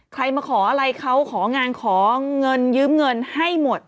ใครมาขออะไรเขาของานขอเงินยืมเงินให้หมด